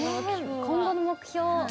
今後の目標は？